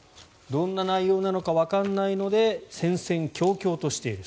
どんな内容なのかわからないので戦々恐々としている。